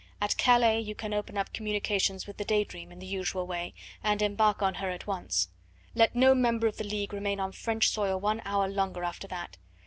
At Calais you can open up communications with the Day Dream in the usual way, and embark on her at once. Let no member of the League remain on French soil one hour longer after that.